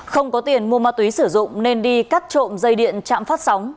không có tiền mua ma túy sử dụng nên đi cắt trộm dây điện chạm phát sóng